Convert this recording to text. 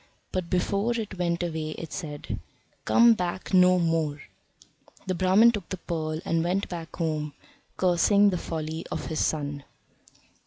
But before it went away it said: "Come back no more." The Brahman took the pearl, and went back home, cursing the folly of his son.